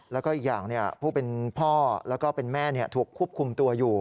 แล้วก็อีกอย่างผู้เป็นพ่อแล้วก็เป็นแม่ถูกควบคุมตัวอยู่